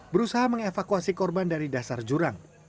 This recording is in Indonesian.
berusaha mengevakuasi korban dari dasar jurang